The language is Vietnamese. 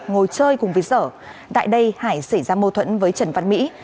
ngồi chơi cùng với sở tại đây hải xảy ra mâu thuẫn với trần văn mỹ